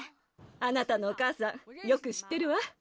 あなたのお母さんよく知ってるわ。